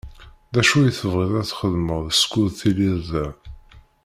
D acu i tebɣiḍ ad txedmeḍ skud telliḍ da?